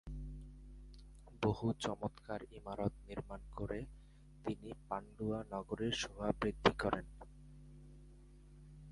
বহু চমৎকার ইমারত নির্মাণ করে তিনি পান্ডুয়া নগরীর শোভা বৃদ্ধি করেন।